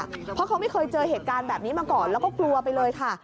เพราะเขาไม่เคยเจอเหตุการณ์แบบนี้มาก่อนแล้วก็กลัวไปเลยค่ะ